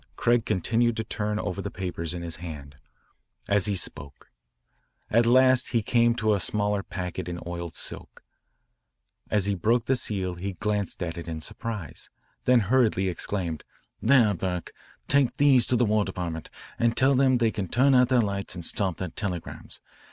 Craig continued to turn over the papers in his hand, as he spoke. At last he came to a smaller packet in oiled silk. As he broke the seal he glanced at it in surprise, then hurriedly exclaimed, "There, Burke. Take these to the War Department and tell them they can turn out their lights and stop their telegrams.